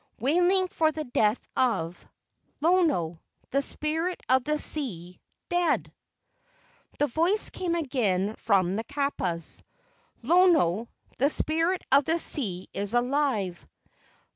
Wailing for the death of Lono, the spirit of the sea—dead!" The voice came again from the kapas, "Lono, the spirit of the sea, is alive."